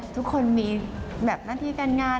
ทุกคนมีแบบหน้าที่การงาน